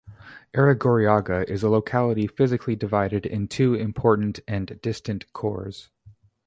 Arrigorriaga is a locality physically divided in two important and distant cores.